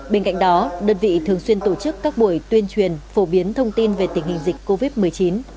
bên cạnh đó đơn vị thường xuyên tổ chức các buổi tuyên truyền phổ biến thông tin về tình hình dịch covid một mươi chín